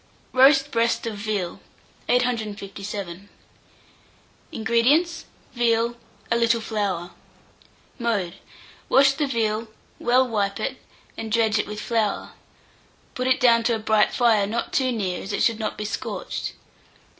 ROAST BREAST OF VEAL. [Illustration: BREAST OF VEAL.] 857. INGREDIENTS. Veal; a little flour. Mode. Wash the veal, well wipe it, and dredge it with flour; put it down to a bright fire, not too near, as it should not be scorched.